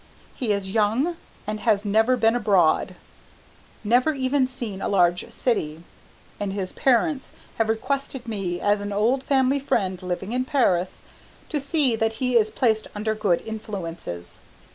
He is young and has never been abroad, never even seen a large city, and his parents have requested me, as an old family friend living in Paris, to see that he is placed under good influences.